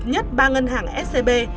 hợp nhất ba ngân hàng scb